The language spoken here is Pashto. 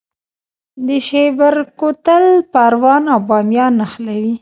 د شیبر کوتل پروان او بامیان نښلوي